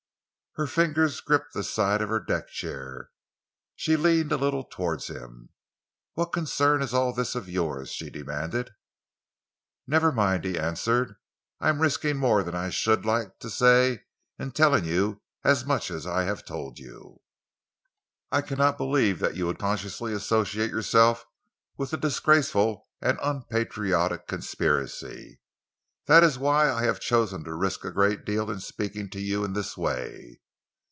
Her fingers gripped the side of her deck chair. She leaned a little towards him. "What concern is all this of yours?" she demanded. "Never mind," he answered. "I am risking more than I should like to say in telling you as much as I have told you. I cannot believe that you would consciously associate yourself with a disgraceful and unpatriotic conspiracy. That is why I have chosen to risk a great deal in speaking to you in this way.